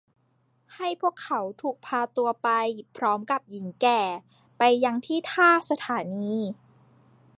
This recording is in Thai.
ให้พวกเขาถูกพาตัวไปพร้อมกับหญิงแก่ไปยังที่ท่าสถานี